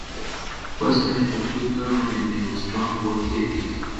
Firstly, I am a quick learner and have a strong work ethic.